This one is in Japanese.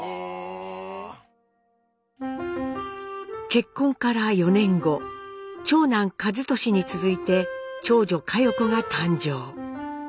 結婚から４年後長男和利に続いて長女佳代子が誕生。